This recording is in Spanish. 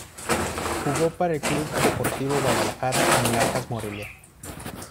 Jugó para el Club Deportivo Guadalajara y Monarcas Morelia.